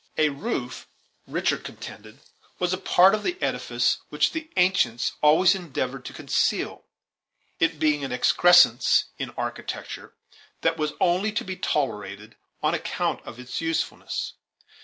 A roof, Richard contended, was a part of the edifice that the ancients always endeavored to conceal, it being an excrescence in architecture that was only to be tolerated on account of its usefulness.